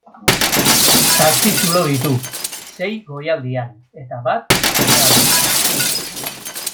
Zazpi zulo ditu, sei goialdean eta bat behealdean.